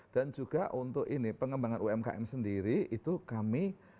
dan juga untuk ini pengembangan umkm sendiri itu kami